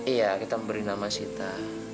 iya kita memberi nama sita